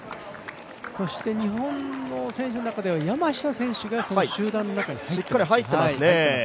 そして日本の選手の中では山下選手がその集団の中に入っていますね。